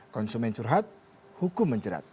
konsumen curhat hukum menjerat